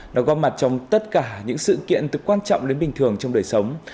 nó góp mặt trong tất cả những sự kiện từ quan trọng đến bình thường trong đời sống